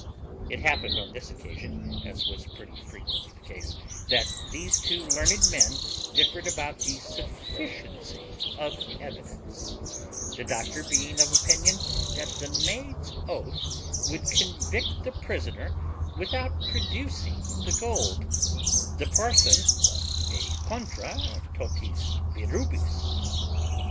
It happened on this occasion, as was pretty frequently the case, that these two learned men differed about the sufficiency of evidence; the doctor being of opinion that the maid's oath would convict the prisoner without producing the gold; the parson, _é contra, totis viribus.